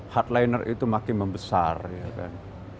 hardliner itu makin membesar ya kan